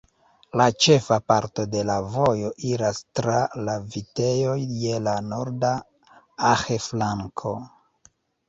La ĉefa parto de la vojo iras tra la vitejoj je la norda Ahr-flanko.